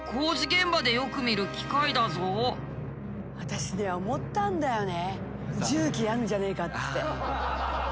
これは私ね思ったんだよね。